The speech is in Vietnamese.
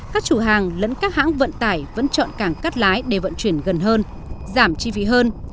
các chủ hàng lẫn các hãng vận tải vẫn chọn cảng cắt lái để vận chuyển gần hơn giảm chi phí hơn